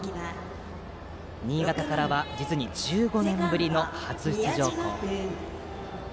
新潟からは実に１５年ぶりの初出場校。